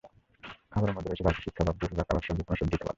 খাবারের মধ্যে রয়েছে গালফি শিক কাবাব, বুড়রা কাবাবসহ যেকোনো সবজির কাবাব।